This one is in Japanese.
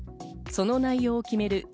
その内容を決める